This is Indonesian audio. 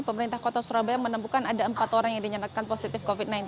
pemerintah kota surabaya menemukan ada empat orang yang dinyatakan positif covid sembilan belas